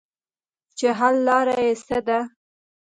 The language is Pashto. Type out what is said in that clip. چې حل لاره ئې څۀ ده -